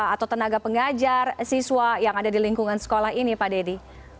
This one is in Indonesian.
atau tenaga pengajar siswa yang ada di lingkungan sekolah ini pak dedy